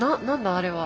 あれは。